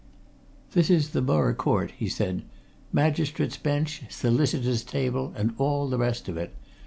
"This is the Borough Court," he said. "Magistrates' bench, solicitors' table, and all the rest of it.